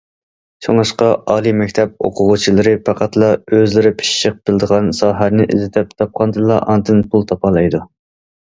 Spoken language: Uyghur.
شۇڭلاشقا ئالىي مەكتەپ ئوقۇغۇچىلىرى پەقەتلا ئۆزلىرى پىششىق بىلىدىغان ساھەنى ئىزدەپ تاپقاندىلا، ئاندىن پۇل تاپالايدۇ.